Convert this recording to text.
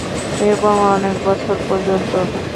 এবং অনেক বছর পর্যন্ত।